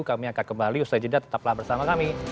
kami akan kembali usai jeda tetaplah bersama kami